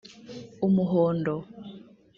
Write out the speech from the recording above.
umuhondo